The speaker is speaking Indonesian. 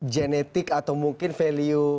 genetik atau mungkin value